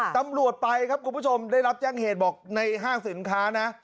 ตำรวจไปครับคุณผู้ชมได้รับแจ้งเหตุบอกในห้างสินค้านะ